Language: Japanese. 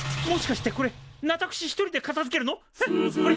もしかしてこれ私一人でかたづけるの！？